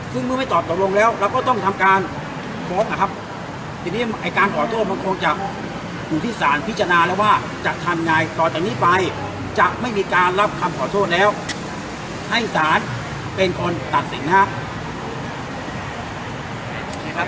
ซึ่งเมื่อไม่ตอบตกลงแล้วเราก็ต้องทำการฟ้องนะครับทีนี้ไอ้การขอโทษมันคงจะอยู่ที่สารพิจารณาแล้วว่าจะทำยังไงต่อจากนี้ไปจะไม่มีการรับคำขอโทษแล้วให้ศาลเป็นคนตัดสินนะครับ